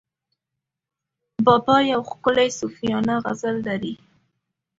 بابا یو ښکلی صوفیانه غزل لري.